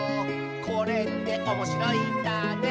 「これっておもしろいんだね」